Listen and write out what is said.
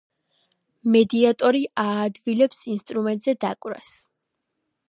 მედიატორი აადვილებს ინსტრუმენტზე დაკვრას.